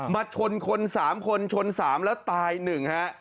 มาชนคน๓คนชน๓แล้วตาย๑ฮะ